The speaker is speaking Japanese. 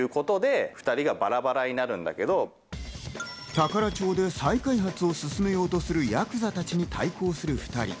宝町で再開発を進めようとするヤクザたちに対抗する２人。